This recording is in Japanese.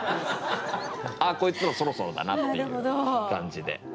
「あっこいつらそろそろだな」っていう感じで。